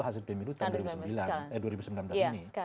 hasil pmi lupas dua ribu sembilan belas ini